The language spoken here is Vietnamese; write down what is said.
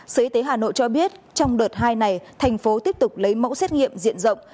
sở y tế hà nội cho biết trong đợt hai này thành phố tiếp tục lấy mẫu xét nghiệm diện rộng